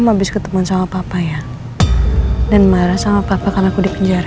om abis ketemuan sama papa ya dan marah sama papa karena aku di penjara